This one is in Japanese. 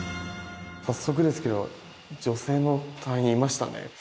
早速ですけど女性の隊員いましたね。